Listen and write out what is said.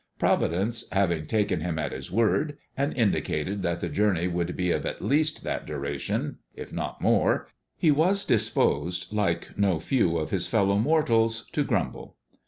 Providence having taken him at his word, and indicated that the journey would be of at least that duration, if not more, he was disposed, like no few of his fellow mortals, to grumble.